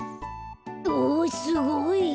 おすごい！